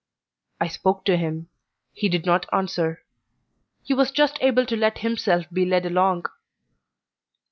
I spoke to him; he did not answer. He was just able to let himself be led along.